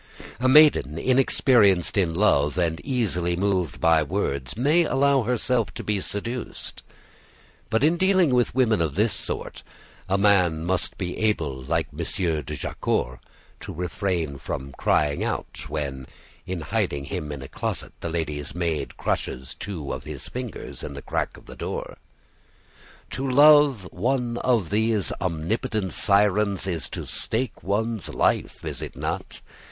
A maiden inexperienced in love and easily moved by words may allow herself to be seduced; but in dealing with women of this sort, a man must be able, like M. de Jaucourt, to refrain from crying out when, in hiding him in a closet, the lady's maid crushes two of his fingers in the crack of a door. To love one of these omnipotent sirens is to stake one's life, is it not?